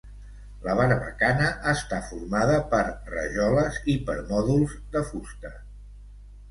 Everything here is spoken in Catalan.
La barbacana està formada per rajoles i permòdols de fusta.